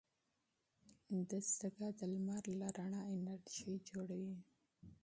دستګاه د لمر له رڼا انرژي جوړوي.